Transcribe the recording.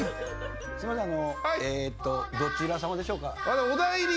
すみませんどちら様でしょうか。